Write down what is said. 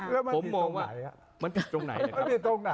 แล้วมันผิดตรงไหน